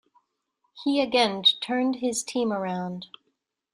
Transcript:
He again turned his team around.